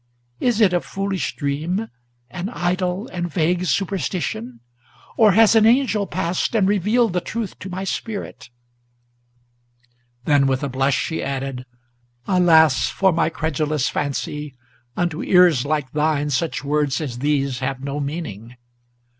Is it a foolish dream, an idle and vague superstition? Or has an angel passed, and revealed the truth to my spirit?" Then, with a blush, she added, "Alas for my credulous fancy! Unto ears like thine such words as these have no meaning."